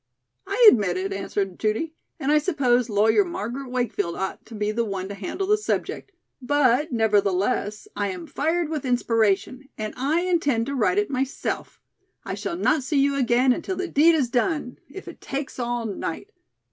"I admit it," answered Judy, "and I suppose Lawyer Margaret Wakefield ought to be the one to handle the subject. But, nevertheless, I am fired with inspiration, and I intend to write it myself. I shall not see you again until the deed is done, if it takes all night.